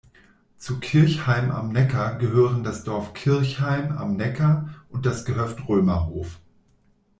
Zu Kirchheim am Neckar gehören das Dorf Kirchheim am Neckar und das Gehöft Römerhof.